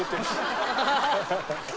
アハハハ。